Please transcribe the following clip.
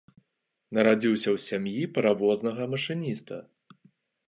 Нарадзіўся ў сям'і паравознага машыніста.